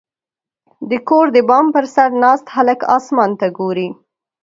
• د کور د بام پر سر ناست هلک اسمان ته ګوري.